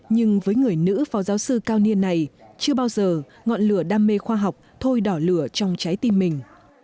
nhưng với người nữ phó giáo sư cao niên này chưa bao giờ ngọn lửa đam mê khoa học thôi đỏ lửa trong trái tim mình